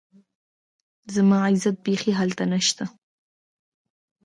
زما عزت بيخي هلته نشته